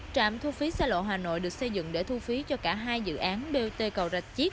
trạm thu phí xa lộ hà nội được xây dựng để thu phí cho cả hai dự án bot cầu rạch chiếc